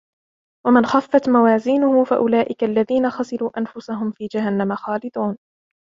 ومن خفت موازينه فأولئك الذين خسروا أنفسهم في جهنم خالدون